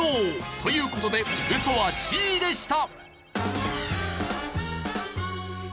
という事でウソはＣでした。